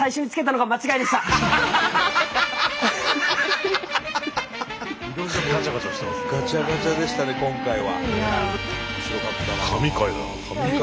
がちゃがちゃでしたね今回は。